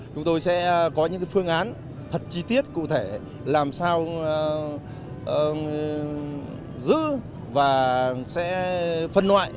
chúng tôi sẽ có những phương án thật chi tiết cụ thể làm sao giữ và sẽ phân loại